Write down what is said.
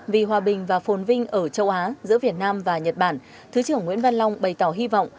vì hòa bình và phồn vinh ở châu á giữa việt nam và nhật bản thứ trưởng nguyễn văn long bày tỏ hy vọng